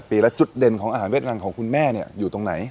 ปีแล้วจุดเด่นของอาหารเวียดรังของคุณแม่อยู่ตรงไหน